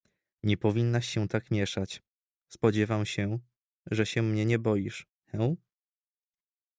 "Nie powinnaś się tak mieszać; spodziewam się, że się mnie nie boisz, hę?"